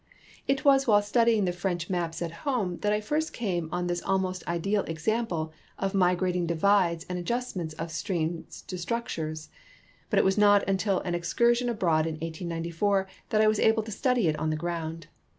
It was while studying the French maps at home that I first came on this almost ideal example of migrating divides and adjustment of streams to structures, but it was not until an ex cursion abroad in 1894 that I Avas able to study it on the ground.